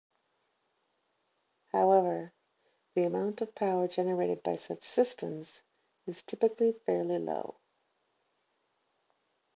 However the amount of power generated by such systems is typically fairly low.